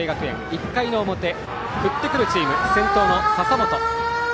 １回の表、振ってくるチーム先頭の笹本。